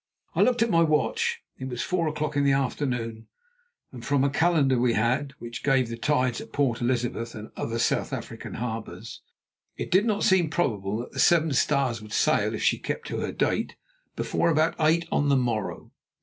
I looked at my watch. It was four o'clock in the afternoon, and from a calendar we had, which gave the tides at Port Elizabeth and other South African harbours, it did not seem probable that the Seven Stars would sail, if she kept to her date, before about eight on the morrow.